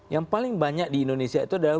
yang paling banyak di indonesia itu adalah